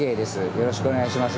よろしくお願いします。